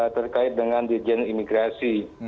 terkait dengan dirjen imigrasi